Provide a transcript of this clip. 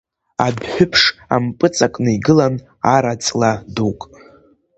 Адәҳәыԥш ампыҵакны игылан ара-ҵла дук.